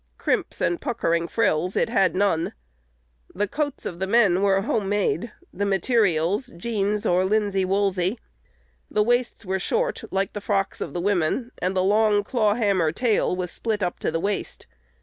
"Crimps and puckering frills" it had none. The coats of the men were home made; the materials, jeans or linsey woolsey. The waists were short, like the frocks of the women, and the long "claw hammer" tail was split up to the waist.